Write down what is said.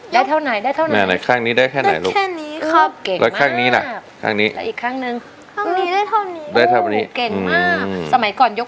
ยกได้แค่นี้ครับ